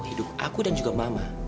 hidup aku dan juga mama